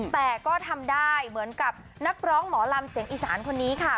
แต่ก็ทำได้เหมือนกับนักร้องหมอลำเสียงอีสานคนนี้ค่ะ